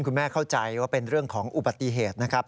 เข้าใจว่าเป็นเรื่องของอุบัติเหตุนะครับ